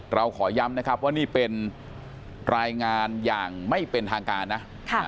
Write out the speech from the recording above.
เราขอย้ำนะครับว่านี่เป็นรายงานอย่างไม่เป็นทางการนะ